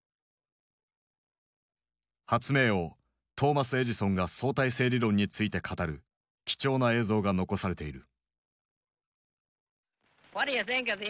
発明王トーマス・エジソンが相対性理論について語る貴重な映像が残されている。